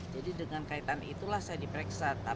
jadi dengan kaitan itulah saya diperiksa